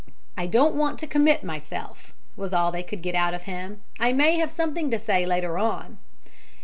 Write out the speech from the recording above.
"I don't want to commit myself," was all they could get out of him. "I may have something to say later on."